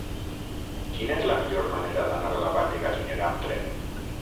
Quina és la millor manera d'anar a la Vall de Gallinera amb tren?